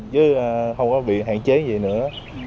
chứ không có bị hạn chế gì nữa